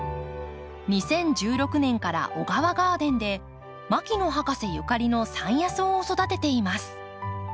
２０１６年からＯＧＡＷＡガーデンで牧野博士ゆかりの山野草を育てています。